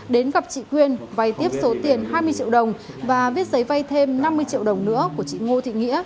đến gặp chị quyên vai tiếp số tiền hai mươi triệu đồng và viết giấy vai thêm năm mươi triệu đồng nữa của chị ngô thị nghĩa